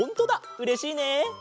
うれしいね！